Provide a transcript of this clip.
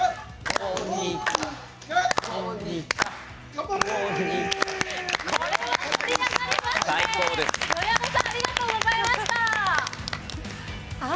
米山さんありがとうございました。